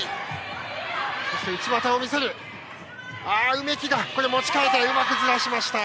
梅木、持ち替えてうまくずらしました。